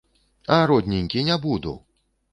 А родненькі, не буду!